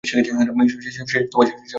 সে জেদ চেপে ধরেছিল।